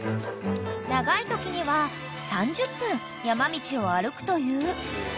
［長いときには３０分山道を歩くという］